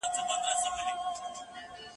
باید د روغتیایي ټولنپوهنې تخصصي څانګه پیاوړې سي.